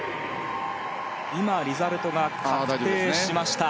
今リザルトが確定しました。